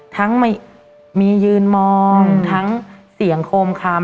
ไม่มียืนมองทั้งเสียงโคมคำ